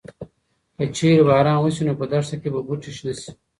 که چېرې باران وشي نو په دښته کې به بوټي شنه شي.